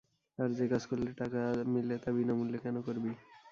আরে যে কাজ করলে টাকা মিলে তা বিনামূল্যে কেনো করবি?